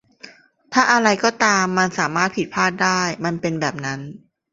ถ้าอะไรก็ตามมันสามารถผิดพลาดได้ มันเป็นแบบนั้น